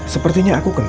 sepertinya aku kenal